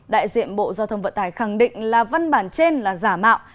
đại diện bộ giao thông vận tải khẳng định là văn bản trên là giả mạo